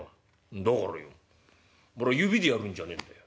「だからよ俺は指でやるんじゃねえんだよ